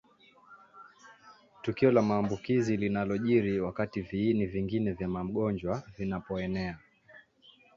Tukio la maambukizi linalojiri wakati viini vingine vya magonjwa vinapoenea